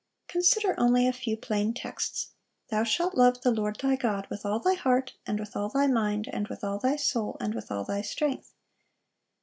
Consider only a few plain texts: 'Thou shalt love the Lord thy God with all thy heart, and with all thy mind, and with all thy soul, and with all thy strength.